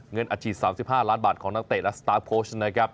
เงินอัดฉีด๓๕ล้านบาทของนักเตะและสตาร์ฟโค้ชนะครับ